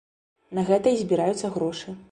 На гэта і збіраюцца грошы.